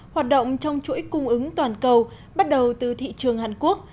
hoạt động trong chuỗi cung ứng toàn cầu bắt đầu từ thị trường hàn quốc